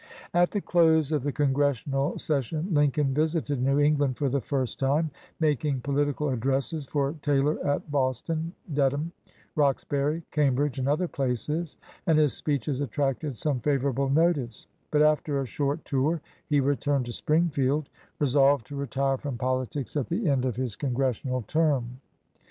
At the close of the congressional session Lin coln visited New England for the first time, making political addresses for Taylor at Boston, Dedham, Roxbury, Cambridge, and other places, and his speeches attracted some favorable notice ; but after a short tour he returned to Springfield, resolved to retire from politics at the end of his 156 IN CONGRESS congressional term.